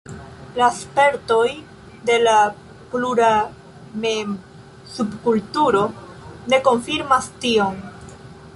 La spertoj de la pluramem-subkulturo ne konfirmas tion.